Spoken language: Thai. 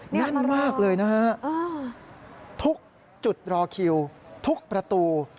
แน่นมากเลยนะฮะทุกจุดรอคิวทุกประตู